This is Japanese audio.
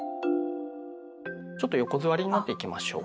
ちょっと横座りになっていきましょうか。